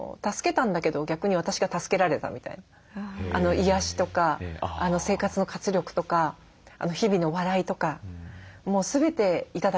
癒やしとか生活の活力とか日々の笑いとか全て頂けるんですよ。